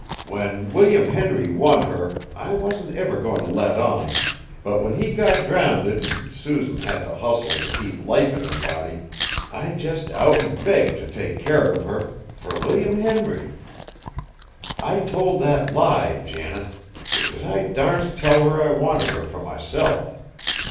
When William Henry won her, I wasn't ever goin' t' let on, but when he got drownded an' Susan had t' hustle t' keep life in her body, I jest out an' begged t' take care of her fur William Henry! I told that lie, Janet, because I darsn't tell her I wanted her fur myself.